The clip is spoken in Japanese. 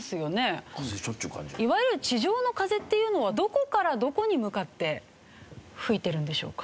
いわゆる地上の風っていうのはどこからどこに向かって吹いてるんでしょうか？